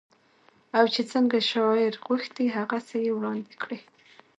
او چې څنګه شاعر غوښتي هغسې يې وړاندې کړې